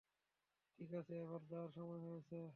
ঠিক আছে, এবার যাওয়ার সময় হয়েছে।